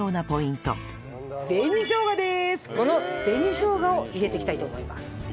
この紅しょうがを入れていきたいと思います。